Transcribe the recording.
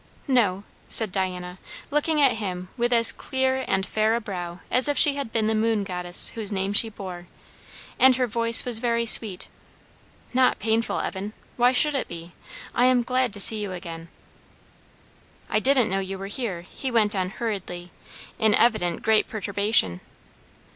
"No" said Diana, looking at him with as clear and fair a brow as if she had been the moon goddess whose name she bore; and her voice was very sweet. "Not painful, Evan; why should it be? I am glad to see you again." "I didn't know you were here" he went on hurriedly, in evident great perturbation.